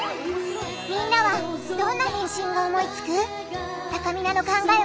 みんなはどんな返信を思いつく？